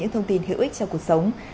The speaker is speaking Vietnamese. thông tin hữu ích cho cuộc sống